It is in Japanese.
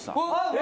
え！